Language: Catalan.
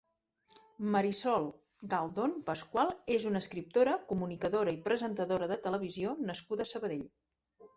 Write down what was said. Marisol Galdón Pascual és una escriptora, comunicadora i presentadora de televisió nascuda a Sabadell.